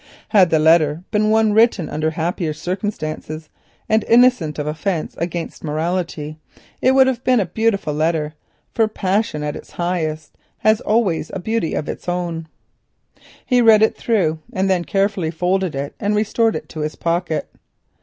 Had the letter been one written under happier circumstances and innocent of offence against morality, it would have been a beautiful letter, for passion at its highest has always a wild beauty of its own. He read it through and then carefully folded it and restored it to his pocket.